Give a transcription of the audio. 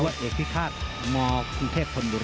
หรือว่าเอกพิฆาตมคุณเทพธนภรรี